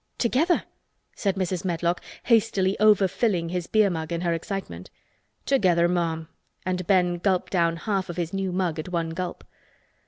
"Together?" said Mrs. Medlock, hastily overfilling his beer mug in her excitement. "Together, ma'am," and Ben gulped down half of his new mug at one gulp.